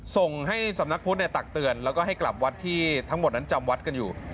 ส่งให้สำนักพุทธตักเตือนแล้วก็ให้กลับวัดที่ทั้งหมดนั้นจำวัดกันอยู่